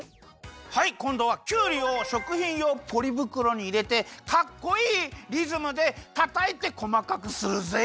はいこんどはきゅうりをしょくひんようポリぶくろにいれてかっこいいリズムでたたいてこまかくするぜい！